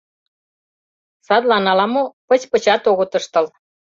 Садлан ала-мо, пыч-пычат огыт ыштыл.